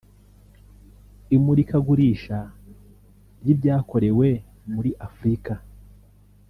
imurikagurisha ry’ibyakorewe muri Afurika